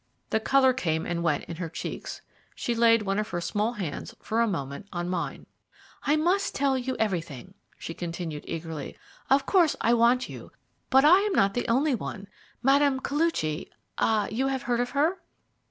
The colour came and went in her cheeks; she laid one of her small hands for a moment on mine. "I must tell you everything," she continued eagerly. "Of course I want you, but I am not the only one. Mme. Koluchy ah, you have heard of her?"